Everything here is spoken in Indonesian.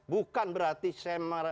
bukan berarti saya